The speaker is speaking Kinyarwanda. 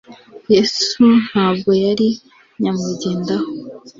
Yesu ntabwo yari nyamwigendaho,